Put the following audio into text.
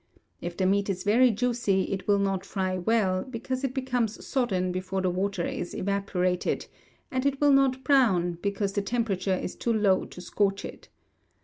If the meat is very juicy it will not fry well, because it becomes sodden before the water is evaporated; and it will not brown, because the temperature is too low to scorch it.